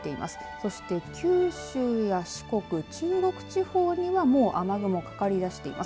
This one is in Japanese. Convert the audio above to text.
そして九州や四国中国地方にはもう雨雲かかりだしています。